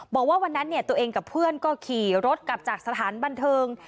บอกว่าวันนั้นตัวเองกับเพื่อนก็ขี่รถกลับจากสถานบันเทิง